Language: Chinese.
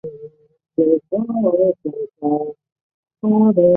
当俱乐部在新加坡职业足球联赛踢球时期球队的主场设在女皇镇体育场。